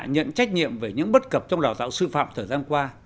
nhận trách nhiệm về những bất cập trong đào tạo sư phạm thời gian qua